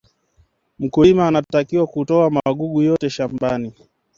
mkulima anatakiwa kuto magugu yote shambani